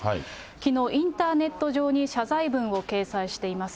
きのう、インターネット上に謝罪文を掲載しています。